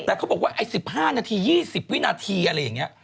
แต่เขาบอกว่าไอ้๑๕นาที๒๐วินาทีอะไรอย่างนี้